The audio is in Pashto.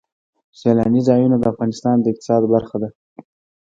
سیلانی ځایونه د افغانستان د اقتصاد برخه ده.